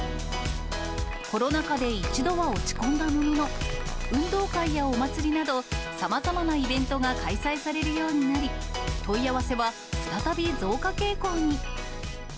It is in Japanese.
コロナ禍で一度は落ち込んだものの、運動会やお祭りなど、さまざまなイベントが開催されるようになり、問い合わせは再び増加傾向に。